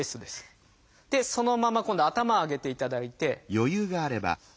そのまま今度は頭上げていただいて。